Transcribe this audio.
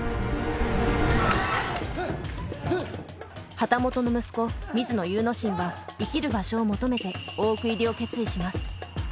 旗本の息子水野祐之進は生きる場所を求めて大奥入りを決意します。